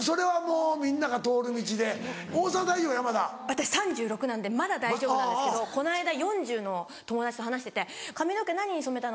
私３６なんでまだ大丈夫なんですけどこの間４０の友達と話してて「髪の毛何に染めたの？」